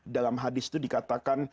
dalam hadis itu dikatakan